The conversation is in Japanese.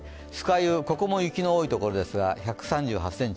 湯も雪の多いところですが１３８ｃｍ。